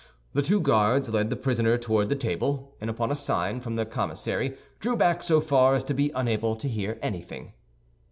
The two guards led the prisoner toward the table, and upon a sign from the commissary drew back so far as to be unable to hear anything.